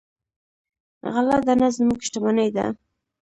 غله دانه زموږ شتمني ده.